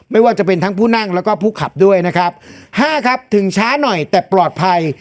ไม่ว่าจะเป็นทั้งผู้นั่งแล้วก็ผู้ขับด้วยนะครับห้าครับถึงช้าหน่อยแต่ปลอดภัย